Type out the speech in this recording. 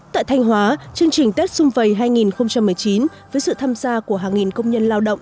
tại thanh hóa chương trình tết xung vầy hai nghìn một mươi chín với sự tham gia của hàng nghìn công nhân lao động